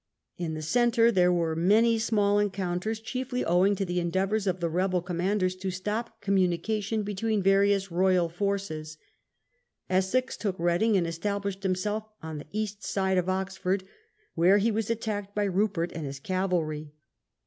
In the centre there were many small encounters, chiefly owing to the endeavours of the rebel commanders to stop communication between various Royal forces, in the Mid Essex took Reading, and established himself i*"<*» on the east side of Oxford, where he was attacked by Rupert and his cavalry.